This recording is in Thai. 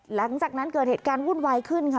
หลังจากนั้นเกิดเหตุการณ์วุ่นวายขึ้นค่ะ